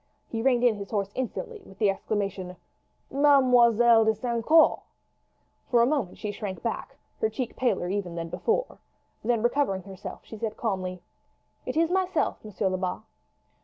He reined in his horse instantly, with the exclamation: "Mademoiselle de St. Caux!" For a moment she shrank back, her cheek paler even than before; then recovering herself she said calmly: "It is myself, Monsieur Lebat."